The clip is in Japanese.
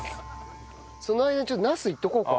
その間にちょっとナスいっとこうか。